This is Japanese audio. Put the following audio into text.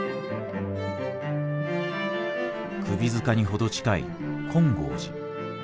首塚に程近い金剛寺。